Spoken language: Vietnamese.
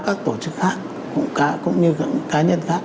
các tổ chức khác cũng như cá nhân khác